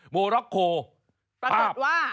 โมร็อกโคปรากฏว่า